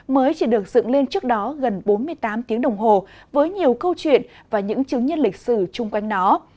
mới chỉ được dựng lên trước đó gần bốn mươi tám tiếng đồng hồ với nhiều câu chuyện và những chứng nhân lịch sử chung quanh nó